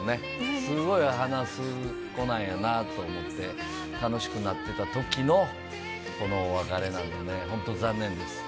すごい話す子なんやなと思って、楽しくなってたときの、このお別れなんでね、本当、残念です。